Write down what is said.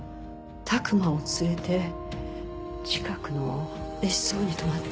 琢磨を連れて近くの別荘に泊まって。